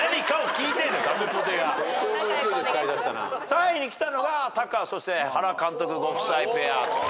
３位にきたのがタカそして原監督ご夫妻ペア。